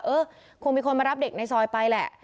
เออคงมีคนมารับเด็กในซอยไปแหละ